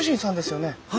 はい。